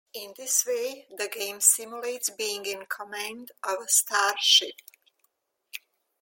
In this way, the game simulates being in command of a starship.